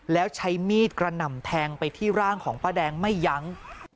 แล้วใช้มีดกระหน่ำแทงไปที่ร่างของป้าแดงไม่ยั้ง